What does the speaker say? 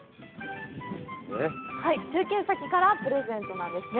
中継先からプレゼントなんですね